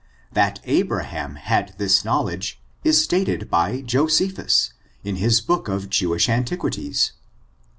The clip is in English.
That Abraham had this knowledge is stated by Josephus, in his book of Jew ish Antiquities.